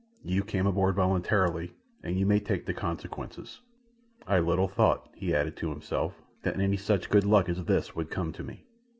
You came aboard voluntarily, and you may take the consequences. I little thought," he added to himself, "that any such good luck as this would come to me."